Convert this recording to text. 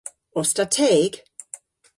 Os ta teg?